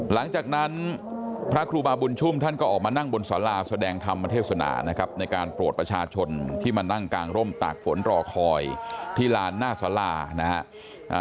หลังจากนั้นพระครูบาบุญชุมท่านก็ออกมานั่งบนสาราแสดงธรรมเทศนานะครับในการโปรดประชาชนที่มานั่งกางร่มตากฝนรอคอยที่ลานหน้าสารานะฮะ